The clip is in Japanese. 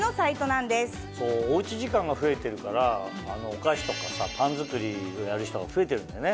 おうち時間が増えてるからお菓子とかパン作りをやる人が増えてるんだよね。